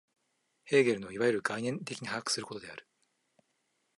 ヘーゲルのいわゆる概念的に把握することである。